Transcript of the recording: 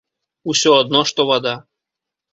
Усё адно што вада.